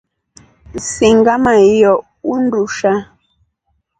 Singa maiyoo undusha.